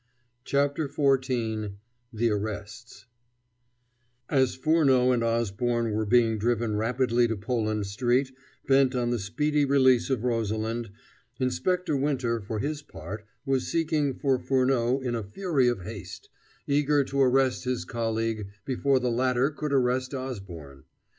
CHAPTER XIV THE ARRESTS As Furneaux and Osborne were being driven rapidly to Poland Street, bent on the speedy release of Rosalind, Inspector Winter, for his part, was seeking for Furneaux in a fury of haste, eager to arrest his colleague before the latter could arrest Osborne.